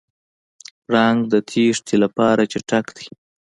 پړانګ د تېښتې لپاره چټک دی.